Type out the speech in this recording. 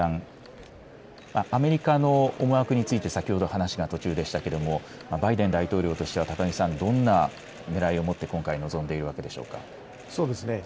今回の会談、アメリカの思惑について先ほど、話が途中でしたけれども、バイデン大統領としては高木さん、どんなねらいをもって今回、臨んでいるわけでしょうか。